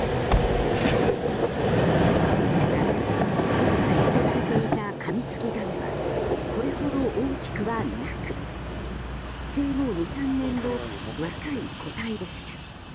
ただ、今回捨てられていたカミツキガメはこれほど大きくはなく生後２３年の若い個体でした。